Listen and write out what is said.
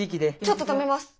ちょっと止めます！